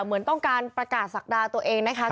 เหมือนต้องการประกาศศักดาตัวเองนะคะ